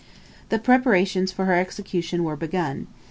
The preparations for her execution were begun.